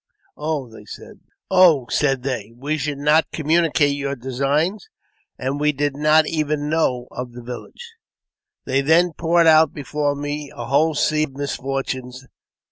" Oh," said they, '* we should not communicate your designs, and we did not even know of the village." They then poured out before me a whole sea of misfortunes.